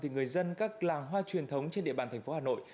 người dân các làng hoa truyền thống trên địa bàn tp hà nội